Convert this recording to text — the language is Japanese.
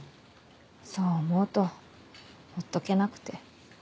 そう思うとほっとけなくて。